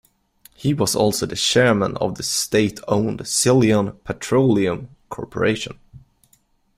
He was also the Chairman of the state owned Ceylon Petroleum Corporation.